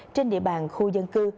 trên địa bàn khu dân cư